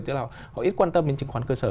tức là họ ít quan tâm đến chứng khoán cơ sở